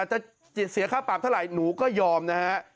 จะเสียค่าปรับเท่าไหร่หนูก็ยอมนะฮะ